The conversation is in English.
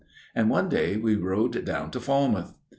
And one day we rowed down to Falmouth.